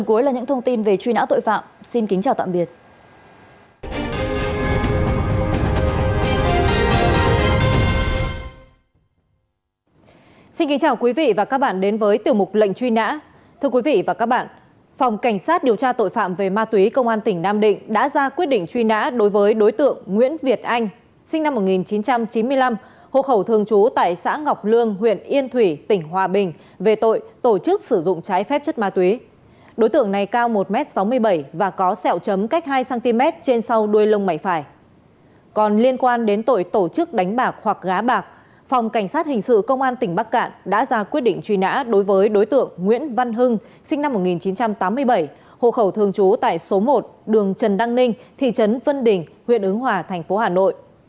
cảnh sát hình sự công an tỉnh bắc cạn đã ra quyết định truy nã đối với đối tượng nguyễn văn hưng sinh năm một nghìn chín trăm tám mươi bảy hộ khẩu thường trú tại số một đường trần đăng ninh thị trấn vân đình huyện ứng hòa thành phố hà nội